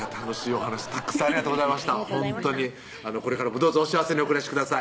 ほんとにこれからもどうぞお幸せにお暮らしください